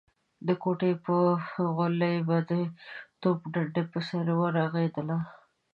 د کوټې په غولي به د توپ ډنډې په څېر ورغړېدله.